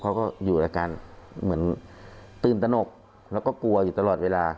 เขาก็อยู่อาการเหมือนตื่นตนกแล้วก็กลัวอยู่ตลอดเวลา